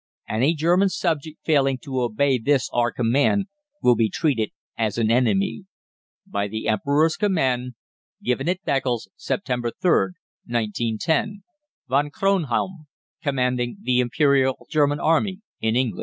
Any German subject failing to obey this our Command will be treated as an enemy. By the EMPEROR'S Command. Given at Beccles, Sept. 3rd, 1910. =VON KRONHELM=, Commanding the Imperial German Army in England.